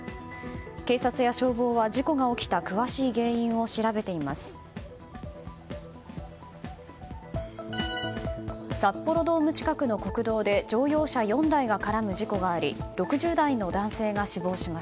警察や消防は事故が起きた詳しい原因を調べています。